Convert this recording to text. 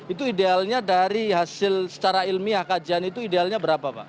itu idealnya dari hasil secara ilmiah kajian itu idealnya berapa pak